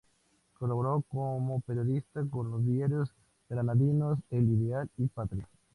Colaboró como periodista con los diarios granadinos El Ideal y Patria.